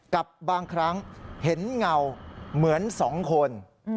กับบางครั้งเห็นเงาเหมือน๒คน